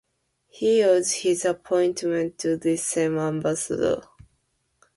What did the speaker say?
He owes his appointment to this same ambassador.